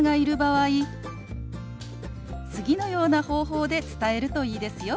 次のような方法で伝えるといいですよ。